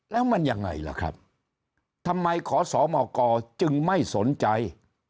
แล้วมันยังไงล่ะครับทำไมขอสมกจึงไม่สนใจ